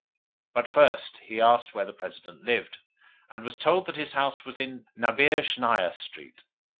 But first he asked where the President lived, and was told that his house was in Naberezhnaia Street.